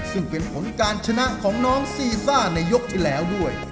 ซึ่งเป็นผลการชนะของน้องซีซ่าในยกที่แล้วด้วย